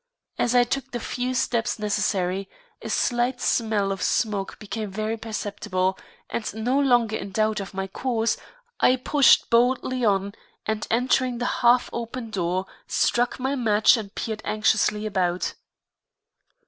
As I took the few steps necessary, a slight smell of smoke became very perceptible, and no longer in doubt of my course, I pushed boldly on and entering the half open door, struck a match and peered anxiously about.